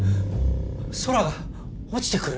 空が落ちてくる！？